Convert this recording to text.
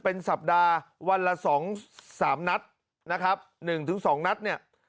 เป็นสัปดาห์วันละสองสามนัดนะครับหนึ่งถึงสองนัดเนี่ย